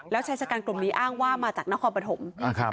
แล้วชายชะกันกลุ่มนี้อ้างว่ามาจากนครปฐม